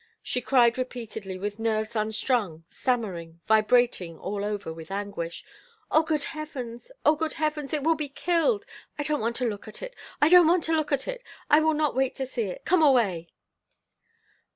She cried repeatedly, with nerves unstrung, stammering, vibrating all over with anguish: "Oh! good heavens! Oh! good heavens! it will be killed. I don't want to look at it! I don't want to look at it! I will not wait to see it! Come away!"